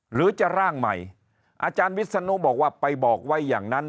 หรือจะร่างใหม่อาจารย์วิศนุบอกว่าไปบอกไว้อย่างนั้น